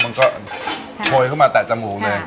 มันก็โชยเข้ามาแตะจมูกเลย